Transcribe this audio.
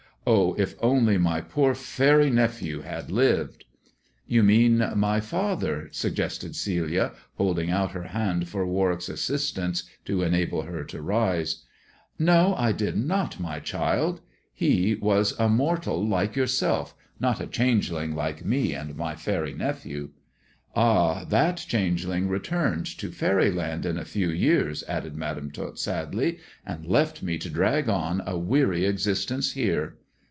" Oh, if only my poor faery nephew had lived I "" You mean my father," suggested Celia, holding out her hand for Warwick's assistance to enable her to rise. No, I did not, child ! He was a mortal like yourself, not a changeling like me and my faery nephew. Ah, that 102 THE dwarf's chamber changeling returned to faeryland in a few years," added Madam Tot sadly, and left me to drag on a weary exist ence here.